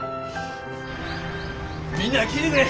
みんな聞いてくれ！